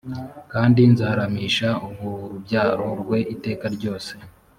kandi nzaramisha urubyaro rwe iteka ryose